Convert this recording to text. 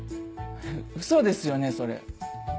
ウソですよねそれ。